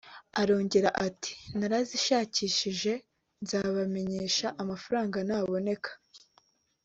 Arongera ati “ Narazishakishije […] nzabamenyesha amafaranga naboneka